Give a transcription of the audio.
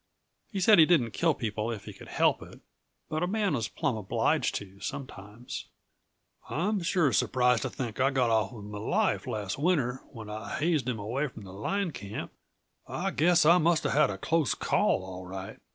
He said he didn't kill people if he could help it but a man was plumb obliged to, sometimes. "I'm sure surprised to think I got off with m' life, last winter, when I hazed him away from line camp; I guess I must uh had a close call, all right!"